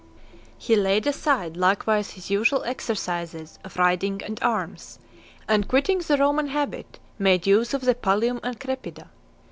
XIII. He laid aside likewise his usual exercises of riding and arms; and quitting the Roman habit, made use of the Pallium and Crepida .